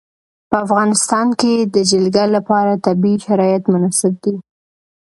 په افغانستان کې د جلګه لپاره طبیعي شرایط مناسب دي.